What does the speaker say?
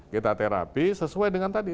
kita terapi sesuai dengan tadi